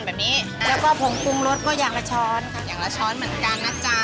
แบบนี้แล้วก็ผงปรุงรสก็อย่างละช้อนค่ะอย่างละช้อนเหมือนกันนะจ๊ะ